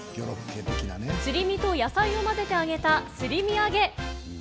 すり身と野菜を混ぜて揚げたすり身揚げ。